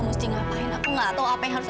mesti ngapain aku tidak tahu apa yang harus